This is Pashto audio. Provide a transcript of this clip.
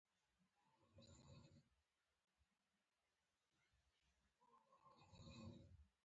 چرګان د هګیو ساتنې ته ژمن دي.